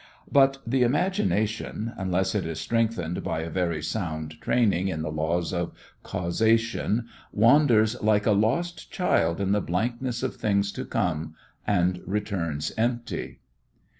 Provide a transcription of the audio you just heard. But the imagination, unless it is strengthened by a very sound training in the laws of causation, wanders like a lost child in the blankness of things to come and returns empty.